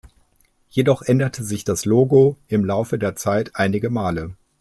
Jedoch änderte sich das Logo im Laufe der Zeit einige Male.